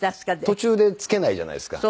途中でつけないじゃないですか。